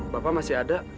bapak masih ada